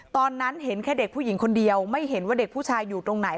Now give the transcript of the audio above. ตอนนั้นเห็นแค่เด็กผู้หญิงคนเดียวไม่เห็นว่าเด็กผู้ชายอยู่ตรงไหน